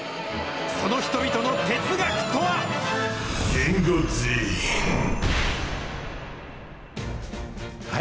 その人々の哲学とは？